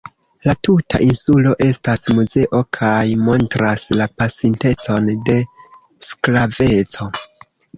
La tuta insulo estas muzeo kaj montras la pasintecon de sklaveco.